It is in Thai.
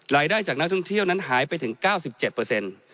รายได้จากนักท่องเที่ยวนั้นหายไปถึง๙๗เปอร์เซ็นต์